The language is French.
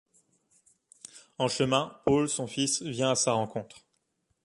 En chemin, Paul son fils vient à sa rencontre.